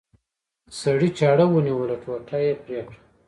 سړي چاړه ونیوله ټوټه یې پرې کړه.